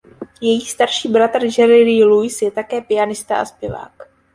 Její starší bratr Jerry Lee Lewis je také pianista a zpěvák.